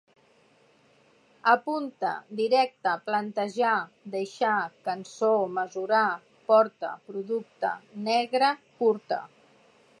Apunta: directa, plantejar, deixar, cançó, mesurar, porta, producte, negre, curta